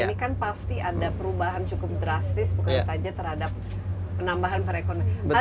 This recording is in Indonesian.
ini kan pasti ada perubahan cukup drastis bukan saja terhadap penambahan perekonomian